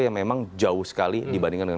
yang memang jauh sekali dibandingkan dengan